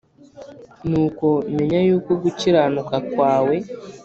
Nuko menya yuko gukiranuka kwawe